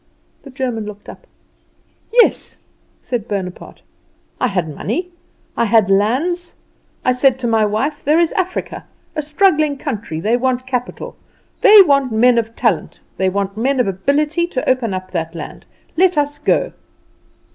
The German looked up. "Yes," said Bonaparte, "I had money, I had lands; I said to my wife: 'There is Africa, a struggling country; they want capital; they want men of talent; they want men of ability to open up that land. Let us go.